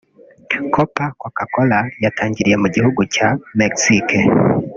Copa Coca-Cola yatangiriye mu gihugu cya Mexico